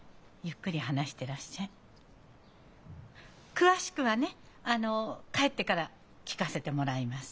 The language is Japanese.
詳しくはねあの帰ってから聞かせてもらいます。